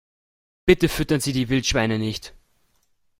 Bitte füttern Sie die Wildschweine nicht!